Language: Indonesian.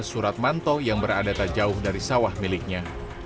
suratmanto yang berada tak jauh dari sawah miliknya